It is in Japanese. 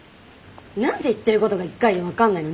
何で言ってることが１回で分かんないの？